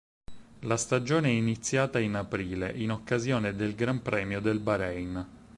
La stagione è iniziata in aprile, in occasione del Gran Premio del Bahrein.